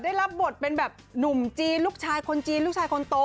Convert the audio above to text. ได้รับบทเป็นแบบหนุ่มจีนลูกชายคนจีนลูกชายคนโต